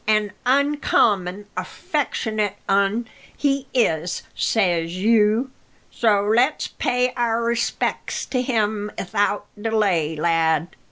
"An uncommon affectionate un he is, says you, so let's pay our respec's to him 'ithout delay, lad."